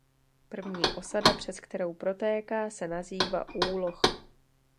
První osada přes kterou protéká se nazývá Úloh.